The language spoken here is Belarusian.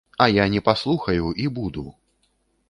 А я не паслухаю і буду.